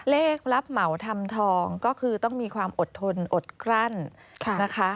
รับเหมาทำทองก็คือต้องมีความอดทนอดกลั้นนะคะ